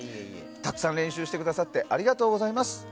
たくさん練習してくださってありがとうございます。